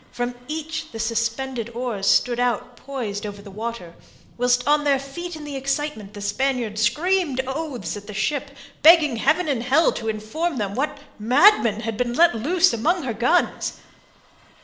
From each the suspended oars stood out poised over the water, whilst on their feet in the excitement the Spaniards screamed oaths at the ship, begging Heaven and Hell to inform them what madman had been let loose among her guns.